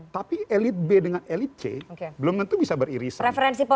tapi elit b dengan elit c belum tentu bisa beriris